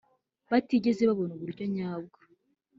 batigeze babona uburyo nyabwo